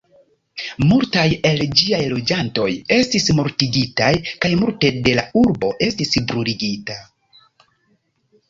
Multaj el ĝiaj loĝantoj estis mortigitaj kaj multe de la urbo estis bruligita.